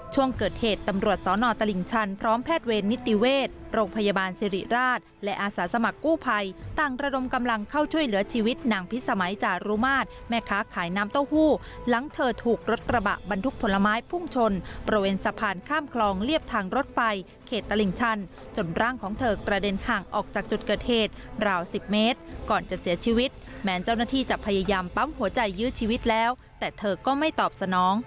ช่วงเกิดเหตุตำรวจศตลิงชันพร้อมแพทย์เวรนิติเวศโรงพยาบาลสิริราชและอาสาสมัครกู้ภัยต่างระดมกำลังเข้าช่วยเหลือชีวิตนางพิษสมัยจารุมารแม่ค้าขายน้ำเต้าหู้หลังเธอถูกรถกระบะบรรทุกผลไม้พุ่งชนประเวนสะพานข้ามคลองเลียบทางรถไฟเขตตลิงชันจนร่างของเธอกระเด็นห่าง